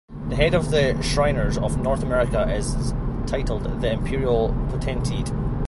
The head of the Shriners of North America is titled the Imperial Potentate.